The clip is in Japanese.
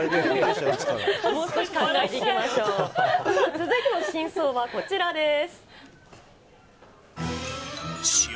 続いての真相はこちらです。